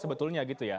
sebetulnya gitu ya